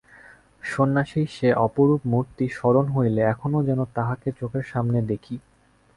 সন্ন্যাসীর সে অপরূপ মূর্তি স্মরণ হইলে এখনও যেন তাঁহাকে চোখের সামনে দেখি।